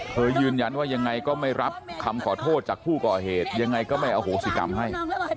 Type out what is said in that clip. ยืนยันว่ายังไงก็ไม่รับคำขอโทษจากผู้ก่อเหตุยังไงก็ไม่อโหสิกรรมให้